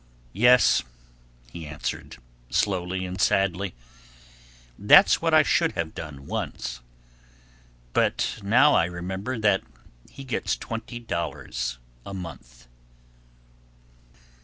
"Yes," he answered, slowly and sadly. "That's what I should have done once. But now I remember that he gets twenty dollars a month."